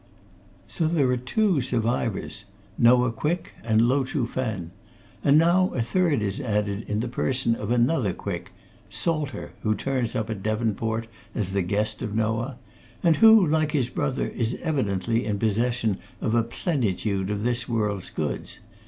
So there are two survivors Noah Quick and Lo Chuh Fen. And now a third is added in the person of another Quick Salter, who turns up at Devonport as the guest of Noah, and who, like his brother, is evidently in possession of a plenitude of this world's goods.